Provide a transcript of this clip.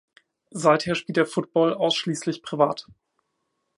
Seither spielt er Football ausschließlich privat.